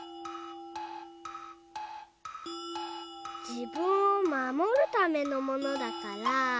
じぶんをまもるためのものだから。